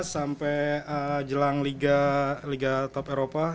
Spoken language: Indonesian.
sampai jelang liga top eropa